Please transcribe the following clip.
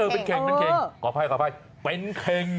เป็นเข็งเป็นเข็งเป็นเข็งเป็นเข็ง